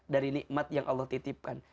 dari nikmat yang allah titipkan